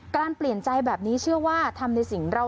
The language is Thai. เปลี่ยนใจแบบนี้เชื่อว่าทำในสิ่งเรา